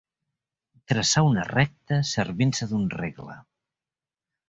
Traçar una recta servint-se d'un regle.